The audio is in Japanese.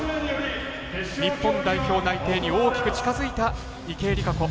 日本代表内定に大きく近づいた池江璃花子。